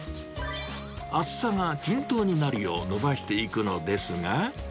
厚さが均等になるようのばしていくのですが。